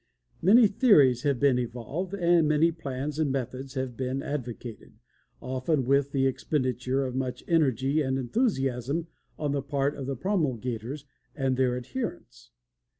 Many theories have been evolved, and many plans and methods have been advocated, often with the expenditure of much energy and enthusiasm on the part of the promulgators and their adherents.